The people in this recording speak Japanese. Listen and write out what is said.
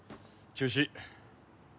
中止？